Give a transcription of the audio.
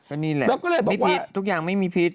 เออนี่แหละมีผิดทุกอย่างไม่มีผิด